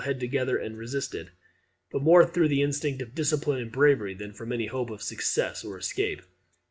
The Roman infantry still held together and resisted, but more through the instinct of discipline and bravery than from any hope of success or escape.